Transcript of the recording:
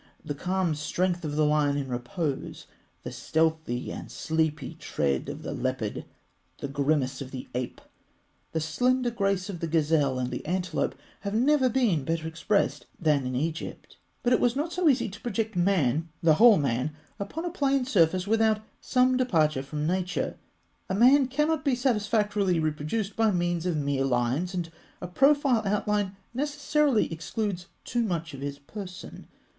The calm strength of the lion in repose, the stealthy and sleepy tread of the leopard, the grimace of the ape, the slender grace of the gazelle and the antelope, have never been better expressed than in Egypt. But it was not so easy to project man the whole man upon a plane surface without some departure from nature. A man cannot be satisfactorily reproduced by means of mere lines, and a profile outline necessarily excludes too much of his person.